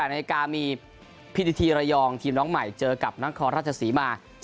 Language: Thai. ๑๘นมีพิธีทีระยองทีมน้องใหม่เจอกับนักคลอรัชศาสตรีมา